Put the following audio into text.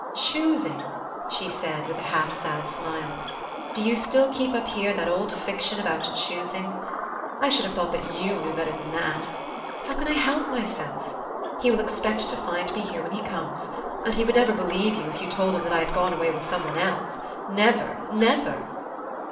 "Choosing!" she said, with a half sad smile. "Do you still keep up here that old fiction about choosing? I should have thought that YOU knew better than that. How can I help myself? He will expect to find me here when he comes, and he would never believe you if you told him that I had gone away with someone else never, never."